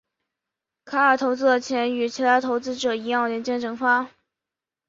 凯尔投资的钱与其他投资者一样人间蒸发。